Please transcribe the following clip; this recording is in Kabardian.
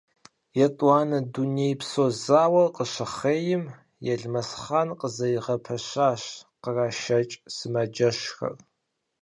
ЕтӀуанэ Дунейпсо зауэр къыщыхъейм, Елмэсхъан къызэригъэпэщащ кърашэкӀ сымаджэщхэр.